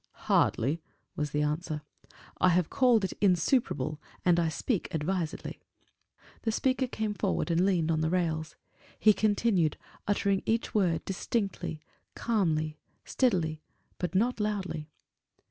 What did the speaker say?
"Hardly," was the answer: "I have called it insuperable, and I speak advisedly." The speaker came forward and leaned on the rails. He continued, uttering each word distinctly, calmly, steadily, but not loudly.